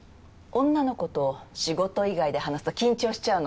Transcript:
女の子と仕事以外で話すと緊張しちゃうの。